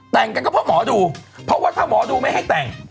แต่งกันก็เพราะหมอดูเพราะว่าถ้าหมอดูไม่ให้แต่ง